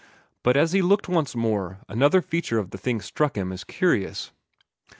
But as he looked once more, another feature of the thing struck him as curious.